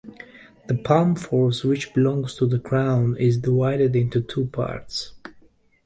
The palm forest which belongs to the crown is divided into two parts.